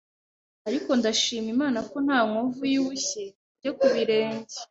ariko Ndashima Imana ko nta nkovu y’ubushye mfite ku birenge.